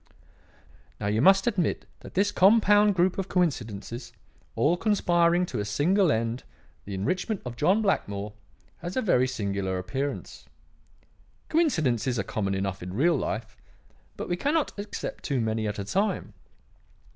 "Now you must admit that this compound group of coincidences, all conspiring to a single end the enrichment of John Blackmore has a very singular appearance. Coincidences are common enough in real life; but we cannot accept too many at a time.